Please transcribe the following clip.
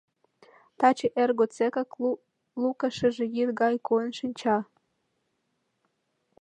Таче эр годсекак Лука шыже йӱд гай койын шинча.